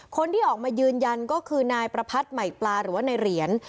คนที่ออกมายืนยันก็คือนายประพัทธ์ใหม่ปลาหรือว่าในเหรียญ